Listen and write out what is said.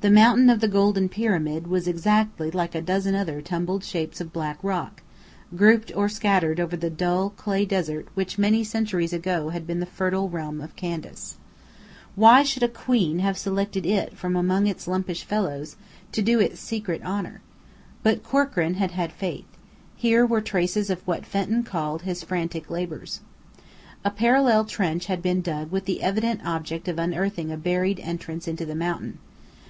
The Mountain of the Golden Pyramid was exactly like a dozen other tumbled shapes of black rock, grouped or scattered over the dull clay desert which many centuries ago had been the fertile realm of Candace. Why should a queen have selected it from among its lumpish fellows, to do it secret honour? But Corkran had had faith. Here were traces of what Fenton called his "frantic labours." A parallel trench had been dug with the evident object of unearthing a buried entrance into the mountain.